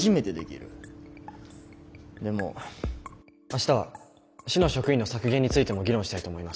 明日は市の職員の削減についても議論したいと思います。